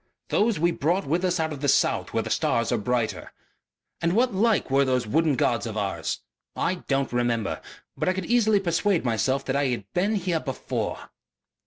Those we brought with us out of the south where the stars are brighter. And what like were those wooden gods of ours? I don't remember.... But I could easily persuade myself that I had been here before."